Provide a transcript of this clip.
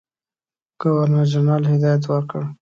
ګورنرجنرال هدایت ورکړ.